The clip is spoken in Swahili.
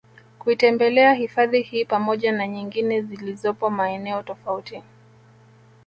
kuitembelea hifadhi hii pamoja na nyingine ziolizopo maeneo tofauti